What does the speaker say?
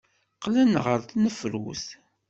Qqlen ɣer tnefrut.